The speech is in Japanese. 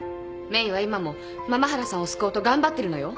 メイは今も麻々原さんを救おうと頑張ってるのよ。